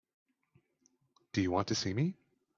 Did you want to see me?